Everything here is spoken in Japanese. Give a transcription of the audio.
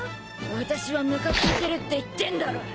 私はムカついてるって言ってんだろ。